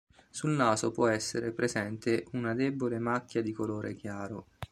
Sul naso può essere presente una debole macchia di colore chiaro.